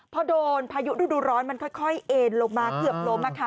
พอโดนพายุฤดูร้อนมันค่อยเอ็นลงมาเกือบล้ม